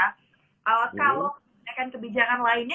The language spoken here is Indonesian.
kalau kebijakan kebijakan lainnya